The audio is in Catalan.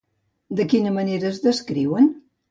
De quina manera es descriuen?